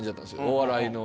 お笑いの。